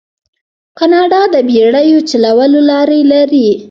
کاناډا د بیړیو چلولو لارې لري.